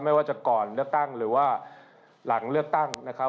ไม่ว่าจะก่อนเลือกตั้งหรือว่าหลังเลือกตั้งนะครับ